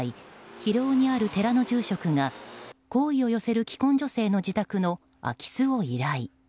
広尾にある寺の住職が好意を寄せる既婚女性の自宅の空き巣を依頼。